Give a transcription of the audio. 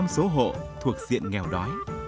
một trăm linh số hộ thuộc diện nghèo đói